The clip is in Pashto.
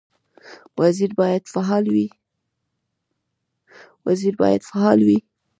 وزیر باید فعال وي